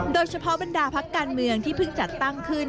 โดยเฉพาะบรรดาพักการเมืองที่เพิ่งจัดตั้งขึ้น